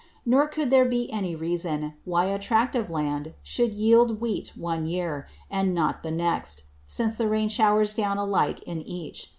Nor could there be any Reason, why a Tract of Land should yield Wheat one Year, and not the next; since the Rain showers down alike in each.